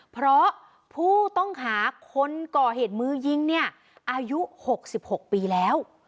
เพราะผู้ต้องหาคนก่อเหตุมือยิงเนี่ยอายุ๖๖ปีแล้ว